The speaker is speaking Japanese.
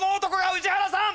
宇治原さん。